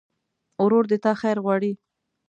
ورور د تا خیر غواړي.